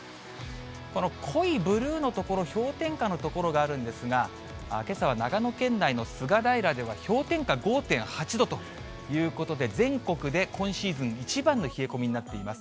この濃いブルーの所、氷点下の所があるんですが、けさは長野県内の菅平では氷点下５．８度ということで、全国で今シーズン一番の冷え込みになっています。